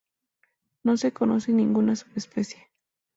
No se conoce ninguna subespecie.